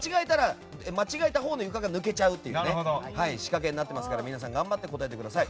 間違えたほうの床が抜けちゃうという仕掛けになっていますので皆さん頑張って答えてください。